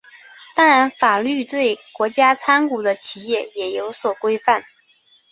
当然法律对国家参股的企业也有所规范。